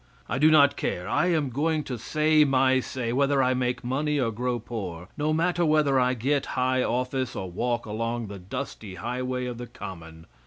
I do not care: I am going to say my say, whether I make money or grow poor; no matter whether I get high office or walk along the dusty highway of the common.